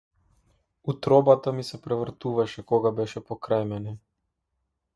Утробата ми се превртуваше кога беше покрај мене.